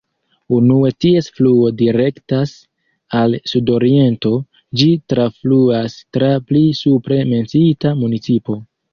Unue ties fluo direktas al sudoriento, ĝi trafluas tra pli supre menciita municipo.